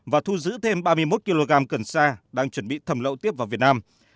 và thu giữ thêm ba mươi một kg cần sa đang chuẩn bị thầm lậu tiếp vào việt nam